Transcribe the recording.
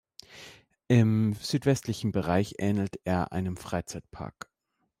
Im südwestlichen Bereich ähnelt er einem Freizeitpark.